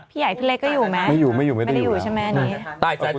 พี่ใหญ่พี่เล็กก็อยู่ไหมไม่ได้อยู่แล้ว